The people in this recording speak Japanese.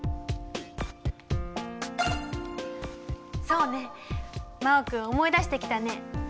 そうね真旺君思い出してきたね。